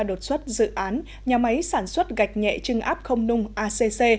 đột xuất dự án nhà máy sản xuất gạch nhẹ trưng áp không nung acc